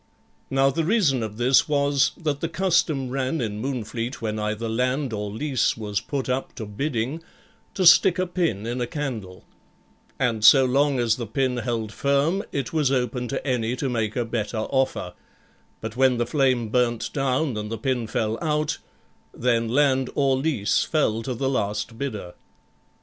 Now the reason of this was, that the custom ran in Moonfleet when either land or lease was put up to bidding, to stick a pin in a candle; and so long as the pin held firm, it was open to any to make a better offer, but when the flame burnt down and the pin fell out, then land or lease fell to the last bidder.